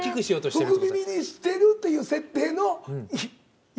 福耳にしてるという設定の役